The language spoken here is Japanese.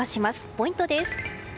ポイントです。